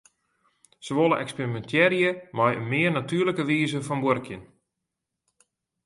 Se wolle eksperimintearje mei in mear natuerlike wize fan buorkjen.